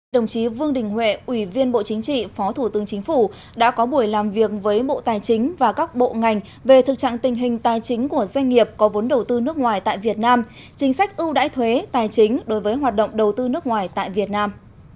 đồng chí vương đình huệ ủy viên bộ chính trị phó thủ tướng chính phủ đã có buổi làm việc với bộ tài chính và các bộ ngành về thực trạng tình hình tài chính của doanh nghiệp có vốn đầu tư nước ngoài tại việt nam chính sách ưu đãi thuế tài chính đối với hoạt động đầu tư nước ngoài tại việt nam